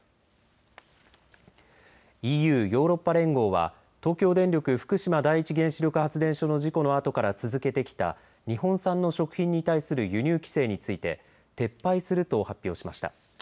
ＥＵ、ヨーロッパ連合は東京電力福島第一原子力発電所の事故のあとから続けてきた日本産の食品に対する輸入規制について撤廃すると発表しました。